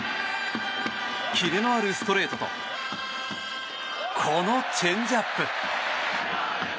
キレのあるストレートとこのチェンジアップ。